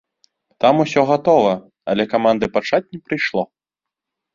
Там усё гатова, але каманды пачаць не прыйшло.